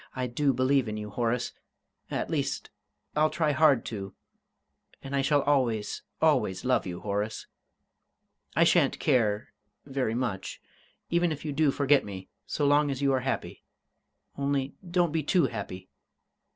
I do believe in you, Horace at least, I'll try hard to.... And I shall always, always love you, Horace.... I shan't care very much even if you do forget me, so long as you are happy.... Only don't be too happy.